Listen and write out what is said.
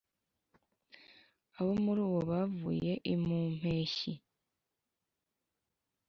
abamorumo bavuye imu mpeshyi.